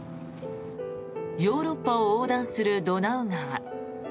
ヨーロッパを横断するドナウ川。